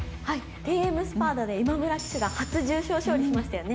テイエムスパーダで今村騎手が初重賞勝利しましたよね。